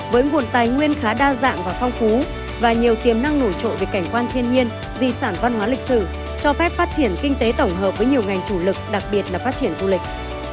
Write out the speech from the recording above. với nguồn tài nguyên khá đa dạng và phong phú và nhiều tiềm năng nổi trội về cảnh quan thiên nhiên di sản văn hóa lịch sử cho phép phát triển kinh tế tổng hợp với nhiều ngành chủ lực đặc biệt là phát triển du lịch